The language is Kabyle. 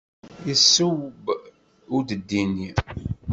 Yesseww udeddi-nni.